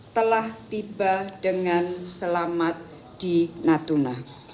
telah tiba dengan selamat di natuna